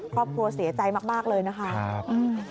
ครอบครัวเสียใจมากเลยนะคะอืมครับ